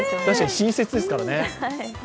確かに新雪ですからね。